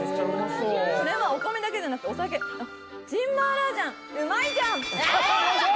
これはお金じゃなくて、お酒、チンマーラージャン、うまいじゃん。